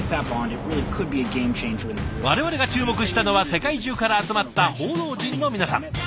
我々が注目したのは世界中から集まった報道陣の皆さん。